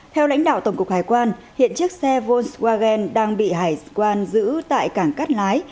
theo lãnh đạo tổng cục hải quan hiện chiếc xe volkswagen đang bị hải quan giữ tại cảng cát lái